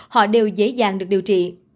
họ đều dễ dàng được điều trị